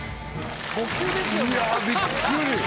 いやびっくり！